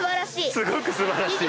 すごく素晴らしい？